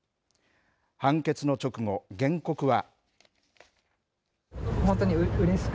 判決の直後、原告は。